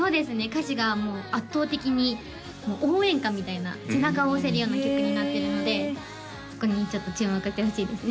歌詞がもう圧倒的に応援歌みたいな背中を押せるような曲になってるのでそこにちょっと注目してほしいですね